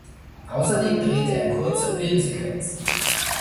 Außerdem drehte er kurze Filmsequenzen.